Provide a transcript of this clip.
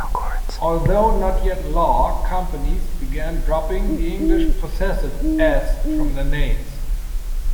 Although not yet law, companies began dropping the English possessive "s" from their names.